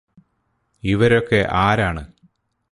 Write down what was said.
ഇവരൊക്കെ ആരാണ്